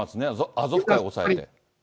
アゾフ海を押さえると。